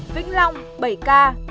vĩnh long bảy ca